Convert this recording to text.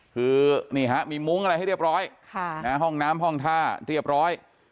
คือนี่ฮะมีมุ้งอะไรให้เรียบร้อยห้องน้ำห้องท่าเรียบร้อย